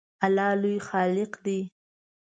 الله لوی خالق دی